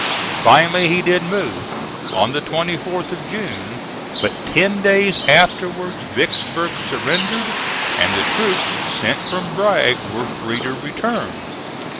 Finally he did move, on the 24th of June, but ten days afterwards Vicksburg surrendered, and the troops sent from Bragg were free to return.